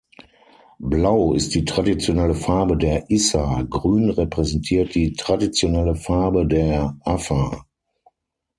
Blau ist die traditionelle Farbe der Issa, Grün repräsentiert die traditionelle Farbe der Afar.